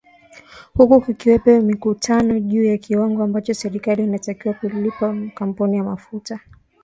huku kukiwepo mivutano juu ya kiwango ambacho serikali inatakiwa kuyalipa makampuni ya mafuta